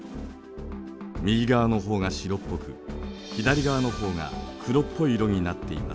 右側の方が白っぽく左側の方が黒っぽい色になっています。